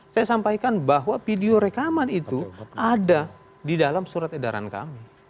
saya sampaikan bahwa video rekaman itu ada di dalam surat edaran kami